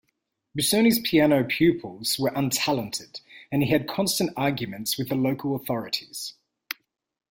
Busoni's piano pupils were untalented, and he had constant arguments with the local authorities.